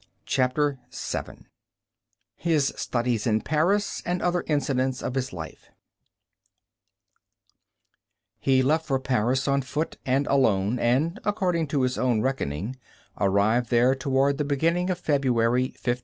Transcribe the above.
CHAPTER VII HIS STUDIES IN PARIS, AND OTHER INCIDENTS OF HIS LIFE He left for Paris on foot and alone, and, according to his own reckoning, arrived there toward the beginning of February, 1528.